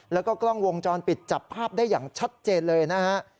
แล้วก็กล้องวงจรปิดจับภาพได้อย่างชัดเจนเลยนะฮะ